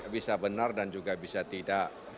bisa benar dan juga bisa tidak